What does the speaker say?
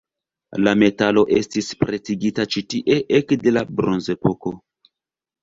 La metalo estis pretigita ĉi tie ekde la Bronzepoko.